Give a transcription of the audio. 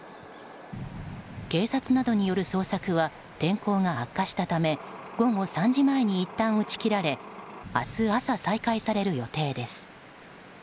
警察などによる捜索は天候が悪化したため午後３時前にいったん打ち切られ明日朝、再開される予定です。